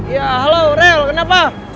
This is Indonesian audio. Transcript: ya halo rel kenapa